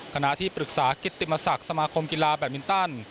ขณะที่ปรึกษากิติมศักดิ์สมาคมกีฬาแบตมินตัน